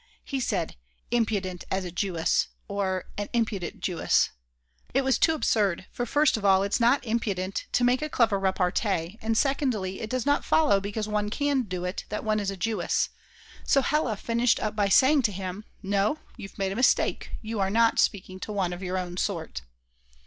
He said: Impudent as a Jewess, or an impudent Jewess! It was too absurd, for first of all it's not impudent to make a clever repartee, and secondly it does not follow because one can do it that one is a Jewess. So Hella finished up by saying to him: "No, you've made a mistake, you are not speaking to one of your own sort."